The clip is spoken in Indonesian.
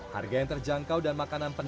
harga yang terjangkau dan makanan penuh